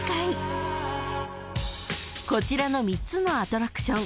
［こちらの３つのアトラクション］